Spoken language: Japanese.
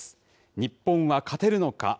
日本は勝てるのか。